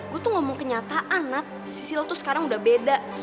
gue tuh ngomong kenyataan nat sil tuh sekarang udah beda